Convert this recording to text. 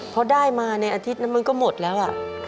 พอได้มาในอาทิตย์นั้นมันก็หมดแล้ว